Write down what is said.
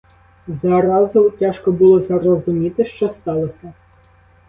Зразу тяжко було зрозуміти, що сталося.